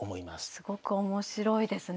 すごく面白いですね